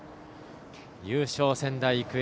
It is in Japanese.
優勝、仙台育英。